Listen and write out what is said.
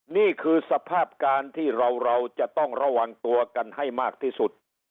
นี่คือสภาพการที่เราจะต้องระวังตัวกันให้มากที่สุด